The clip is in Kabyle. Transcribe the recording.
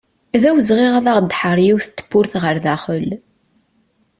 D awezɣi ad aɣ-d-tḥerr yiwet tewwurt ɣer daxel.